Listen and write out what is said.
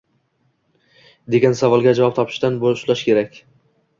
degan savolga javob topishdan boshlash kerak.